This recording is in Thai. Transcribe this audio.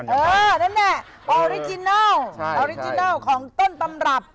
เออนั่นแหละออริจินัลของต้นตำรับ